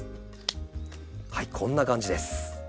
はいこんな感じです。